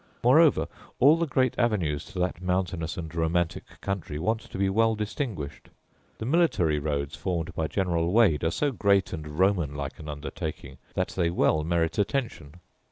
Moreover, all the great avenues to that mountainous and romantic country want to be well distinguished. The military roads formed by General Wade are so great and Roman like an undertaking that they well merit attention.